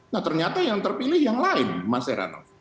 nah ternyata yang terpilih yang lain mas heranov